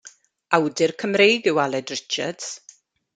Awdur Cymreig yw Aled Richards.